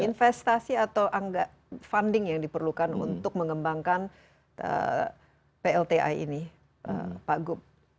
beri pendapatan atau funding yang diperlukan untuk mengembangkan plta ini pak gub